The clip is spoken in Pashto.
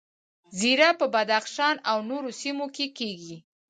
زیره په بدخشان او نورو سیمو کې کیږي